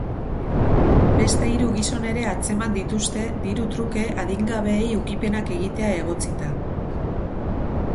Beste hiru gizon ere atzeman dituzte, diru-truke adingabeei ukipenak egitea egotzita.